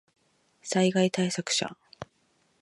災害対策車